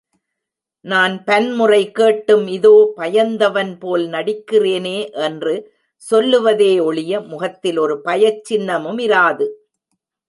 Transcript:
நான் பன்முறை கேட்டும், இதோ, பயந்தவன் போல் நடிக்கிறேனே என்று சொல்லுவதே ஒழிய முகத்தில் ஒரு பயச் சின்னமுமிராது!